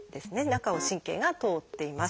中を神経が通っています。